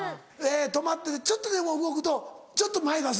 止まっててちょっとでも動くとちょっと前出すんだ。